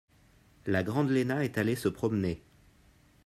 La grande Lena est allée se promener.